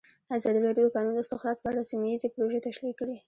ازادي راډیو د د کانونو استخراج په اړه سیمه ییزې پروژې تشریح کړې.